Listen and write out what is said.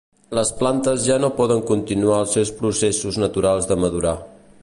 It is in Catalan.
Les plantes ja no poden continuar els seus processos naturals de madurar.